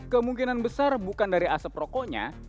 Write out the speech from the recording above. kemungkinan besar bukan dari asap rokoknya